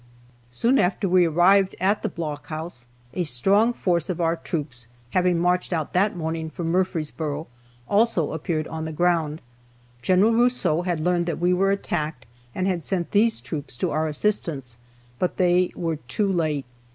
Soon after we arrived at the blockhouse a strong force of our troops, having marched out that morning from Murfreesboro, also appeared on the ground. Gen. Rousseau had learned that we were attacked, and had sent these troops to our assistance, but they were too late.